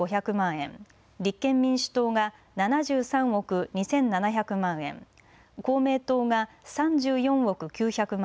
円、立憲民主党が７３億２７００万円、公明党が３４億９００万